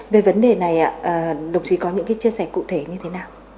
về vấn đề này đồng chí có những chia sẻ cụ thể như thế nào